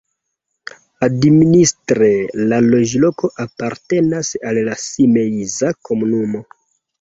Administre la loĝloko apartenas al la Simeiza komunumo.